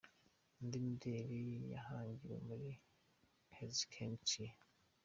Indi mideli yahangiwe muri Kezi Heritier.